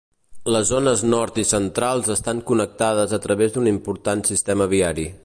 Les zones nord i centrals estan connectades a través d'un important sistema viari.